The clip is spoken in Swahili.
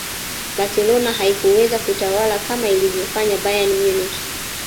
barcelona haikuweza kutawala kama ilivyofanya bayern munich